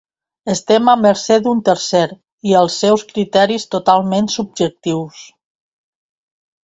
Estem a mercè d’un tercer i els seus criteris totalment subjectius.